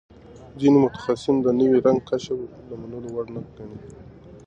ځینې متخصصان د نوي رنګ کشف د منلو وړ نه ګڼي.